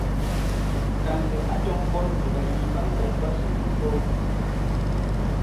Ŋ̀kànlɛ̀ ǎ tɔ̄ŋ ɓɔ̌n nì ɓàyìì ɓa ŋ̀kɔ̀ŋ ɓasò imbɔ̄k yě.